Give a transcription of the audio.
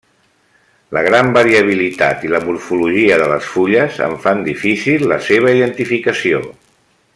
La gran variabilitat i la morfologia de les fulles en fan difícil la seva identificació.